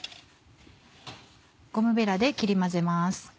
ゴムベラで切り混ぜます。